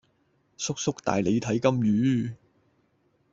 叔叔帶你睇金魚